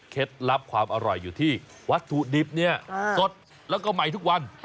ลับความอร่อยอยู่ที่วัตถุดิบเนี่ยสดแล้วก็ใหม่ทุกวัน